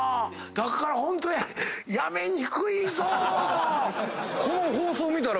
だからホント辞めにくいぞ！